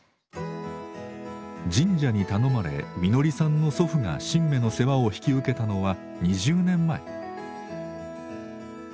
神社に頼まれみのりさんの祖父が神馬の世話を引き受けたのは２０年前。